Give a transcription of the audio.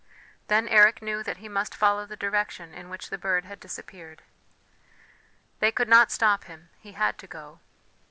Then Eric knew that he must follow the direction in which the bird had disappeared. They could not stop him, he had to go.